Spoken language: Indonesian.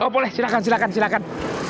oh boleh silahkan silahkan silahkan